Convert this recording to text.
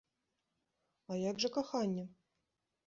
А як жа каханне?